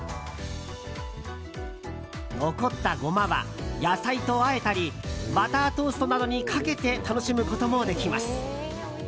残ったゴマは野菜とあえたりバタートーストなどにかけて楽しむこともできます。